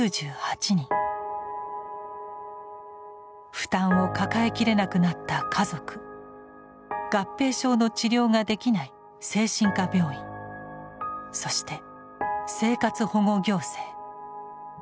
負担を抱えきれなくなった家族合併症の治療ができない精神科病院そして生活保護行政。